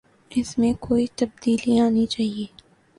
اس میں تو کوئی تبدیلی آنی چاہیے۔